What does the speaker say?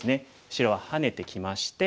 白はハネてきまして。